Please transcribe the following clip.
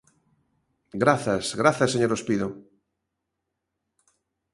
Grazas, grazas, señor Ospido.